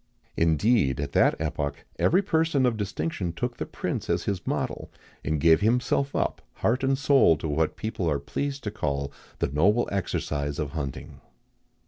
[XIX 44] Indeed, at that epoch, every person of distinction took the prince as his model, and gave himself up, heart and soul, to what people are pleased to call "the noble exercise of hunting."